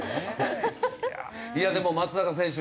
いやでも松中選手